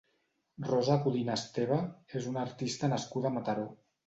Rosa Codina Esteve és una artista nascuda a Mataró.